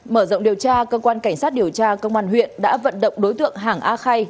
mở rộng điều tra cơ quan cảnh sát điều tra công an huyện đã vận động đối tượng hàng a khay